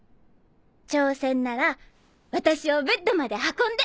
挑戦なら私をベッドまで運んで！